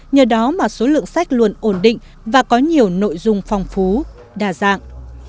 nhờ đó mà số lượng sách luôn ổn định và có nhiều nội dung phong phú đa dạng